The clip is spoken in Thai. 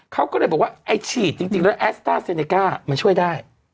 เขาก็เลยบอกว่าไอ้ฉีดจริงแล้วแอสต้าเซเนก้ามันช่วยได้